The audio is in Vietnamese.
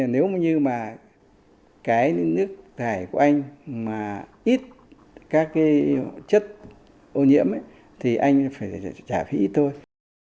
nếu như mà cái nước thải của anh mà ít các cái chất ô nhiễm thì anh phải trả phí ít thôi